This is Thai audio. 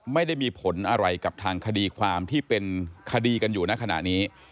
ไม่ได้มีผลอะไรกับทางคดีความที่เป็นคดีกันอยู่ในขณะนี้